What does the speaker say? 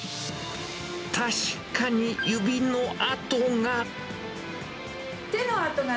確かに指の跡が。